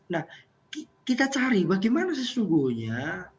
nah kita cari bagaimana sesungguhnya